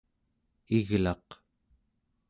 iglaq